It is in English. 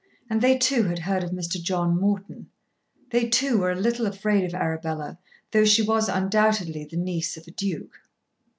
And they, too, had heard of Mr. John Morton. They too were a little afraid of Arabella though she was undoubtedly the niece of a Duke.